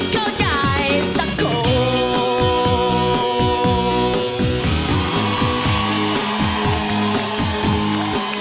เข้าใจสักคน